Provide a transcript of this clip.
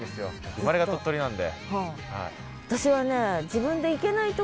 生まれが鳥取なんで。